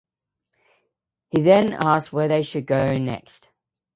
He then asks where they should go next.